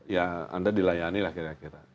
ya anda dilayani lah kira kira